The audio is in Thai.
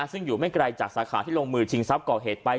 ซึ่งอยู่ไม่ไกลจากสาขาที่ลงมือชิงทรัพย์ก่อเหตุไป